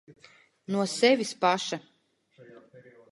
No sevis paša.